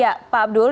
ya pak abdul